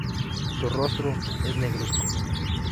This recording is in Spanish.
Su rostro es negruzco.